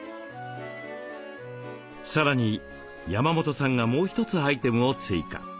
さらに山本さんがもう一つアイテムを追加。